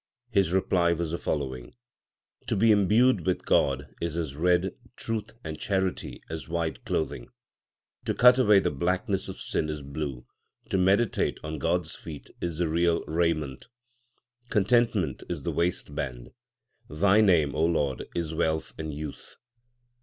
His reply was the following : To be imbued with God is as red, truth and charity as white clothing ; To cut away the blackness of sin is blue, to meditate on God s feet is the real raiment ; Contentment is the waistband : Thy name, Lord, is wealth and youth.